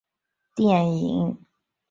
电影中融入喜剧诙谐因素。